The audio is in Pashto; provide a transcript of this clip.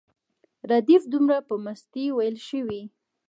ردیف دومره په مستۍ ویل شوی.